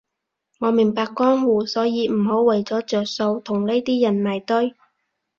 我明白江湖，所以唔好為咗着數同呢啲人埋堆